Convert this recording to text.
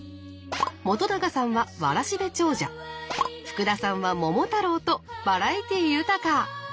本さんは「わらしべ長者」福田さんは「桃太郎」とバラエティー豊か。